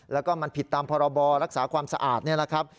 แล้วก็มันผิดตามพรบรักษาความสะอาดนี่แหละครับ